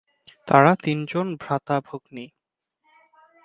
তাঁরা তিনজন ভ্রাতা-ভগ্নী।